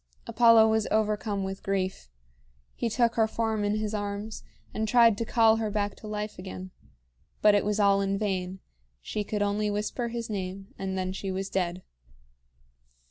Apollo was overcome with grief. He took her form in his arms, and tried to call her back to life again. But it was all in vain. She could only whisper his name, and then she was dead.